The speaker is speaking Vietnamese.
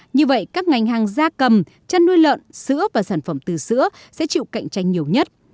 như vậy các ngành hàng gia cầm chăn nuôi lợn sữa và sản phẩm từ sữa sẽ chịu cạnh tranh nhiều nhất